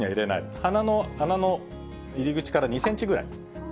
鼻の穴の入り口から２センチぐらい。